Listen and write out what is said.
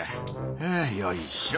はぁよいしょ！